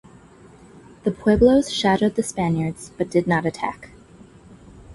The Pueblos shadowed the Spaniards but did not attack.